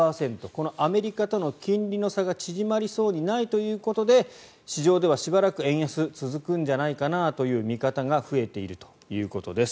このアメリカとの金利の差が縮まりそうにないということで市場ではしばらく円安が続くんじゃないかなという見方が増えているということです。